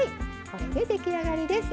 これで出来上がりです。